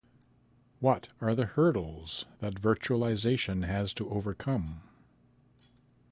What are the hurdles that virtualization has to overcome?